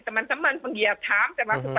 teman teman penggiat ham termasuk pak